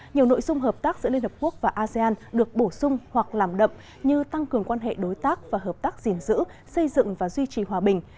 nhiều nội dung hợp tác giữa liên hợp quốc và asean được bổ sung hoặc làm đậm như tăng cường quan hệ đối tác và hợp tác gìn giữ xây dựng và duy trì hòa bình